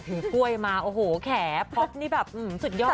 กล้วยมาโอ้โหแขป๊อปนี่แบบสุดยอด